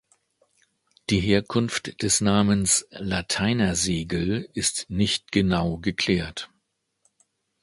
Die Herkunft des Namens Lateinersegel ist nicht genau geklärt.